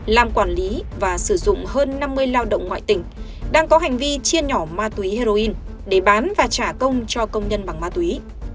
làm quản lý và sử dụng hơn năm mươi lao động ngoại tỉnh đang có hành vi chia nhỏ ma túy heroin để bán và trả công cho công nhân bằng ma túy